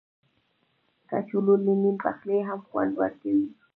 کچالو له نیم پخلي هم خوند ورکوي